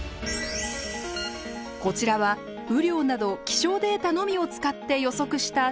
こちらは雨量など気象データのみを使って予測した災害リスク。